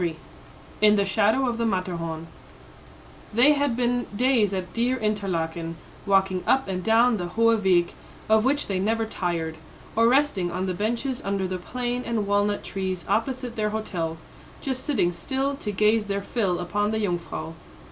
XXIII IN THE SHADOW OF THE MATTERHORN They had been days at dear Interlaken, walking up and down the Hoheweg, of which they never tired, or resting on the benches under the plane and walnut trees opposite their hotel, just sitting still to gaze their fill upon the Jungfrau.